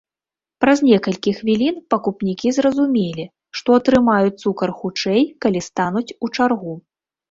Праз некалькі хвілін пакупнікі зразумелі, што атрымаюць цукар хутчэй, калі стануць у чаргу.